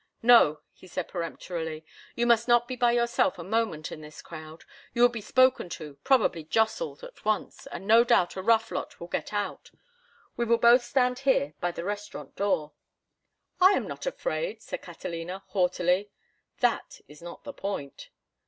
"No," he said, peremptorily, "you must not be by yourself a moment in this crowd. You would be spoken to, probably jostled, at once, and no doubt a rough lot will get out. We will both stand here by the restaurant door." "I am not afraid," said Catalina, haughtily. "That is not the point."